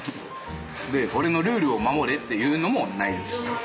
俺のルールを守れっていうのもないです。